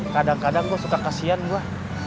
kadang kadang gue suka kasihan gue